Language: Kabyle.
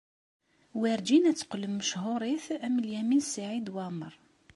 Werǧin ad teqqlem mechuṛit am Lyamin n Saɛid Waɛmeṛ.